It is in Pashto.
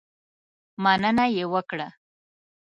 مننه یې وکړه.